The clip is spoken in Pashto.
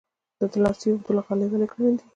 د لاسي اوبدلو غالۍ ولې ګرانې دي؟